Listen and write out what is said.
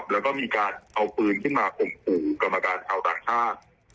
แล้วก็มีการเอาปืนขึ้นมากลมปูกรรมการเอาต่างท่า